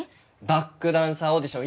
バックダンサーオーディション